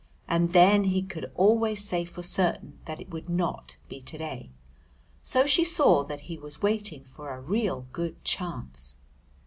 and then he could always say for certain that it would not be to day. So she saw that he was waiting for a real good chance.